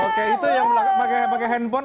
oke itu yang pakai handphone